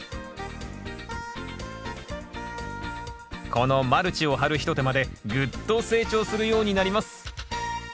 このマルチを張る一手間でぐっと成長するようになります。